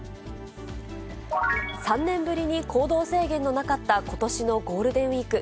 ３年ぶりに行動制限のなかったことしのゴールデンウィーク。